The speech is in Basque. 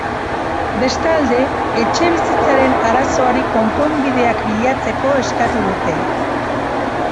Bestalde, etxebizitzaren arazoari konponbideak bilatzeko eskatu dute.